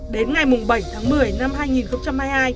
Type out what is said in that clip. đến ngày bảy tháng một mươi năm hai nghìn hai mươi hai